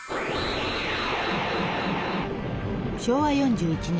昭和４１年。